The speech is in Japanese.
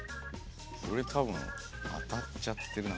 俺多分当たっちゃってるな。